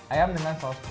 ayam dengan saus plak